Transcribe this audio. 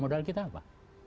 modal kita apa